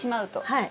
はい。